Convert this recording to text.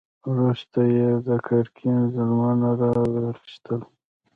وروسته یې د ګرګین ظلمونه را واخیستل.